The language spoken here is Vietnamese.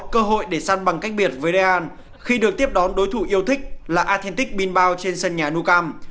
cơ hội để săn bằng cách biệt với real khi được tiếp đón đối thủ yêu thích là athletic bilbao trên sân nhà nucam